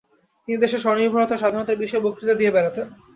তিনি দেশের স্বনির্ভরতা ও স্বাধীনতার বিষয়ে বক্তৃতা দিয়ে বেড়াতেন।